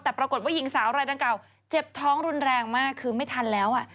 แต่ปรากฏว่าหญิงสาวรายดังเก่าเจ็บท้องรุนแรงมากคือไม่ทันแล้ว